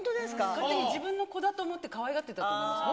勝手に自分の子だと思ってかわいがってくれると思います。